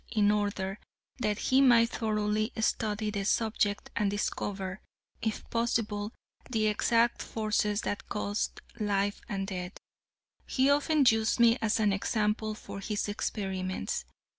In order that he might thoroughly study the subject and discover, if possible, the exact forces that caused life and death, he often used me as an example for his experiments.